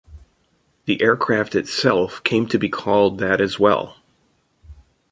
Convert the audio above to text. The aircraft itself came to be called that as well.